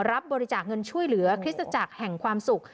รับบริจาคเงินช่วยเหลือคริสตจักรแห่งความสุข